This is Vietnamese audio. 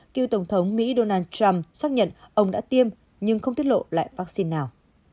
cựu tổng thống mỹ donald trump xác nhận ông đã tiêm nhưng không tiết lộ lại vaccine nào